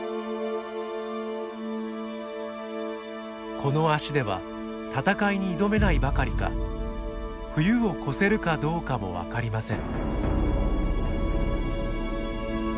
この脚では闘いに挑めないばかりか冬を越せるかどうかも分かりません。